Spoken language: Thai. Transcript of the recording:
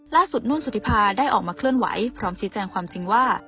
ล่าสุดนุ่นสุธิภาได้ออกมาเคลื่อนไหวพร้อมชี้แจงความจริงว่า